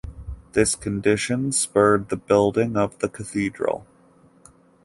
This condition spurred the building of the cathedral.